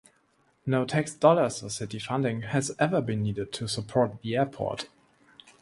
No tax dollars or City funding has ever been needed to support the airport.